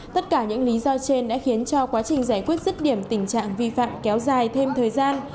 tất cả những lý do trên đã khiến cho quá trình giải quyết rứt điểm tình trạng vi phạm kéo dài thêm thời gian